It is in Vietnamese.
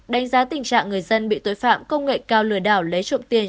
đánh giá tình trạng người dân bị tội phạm công nghệ cao lừa đảo lấy trộm tiền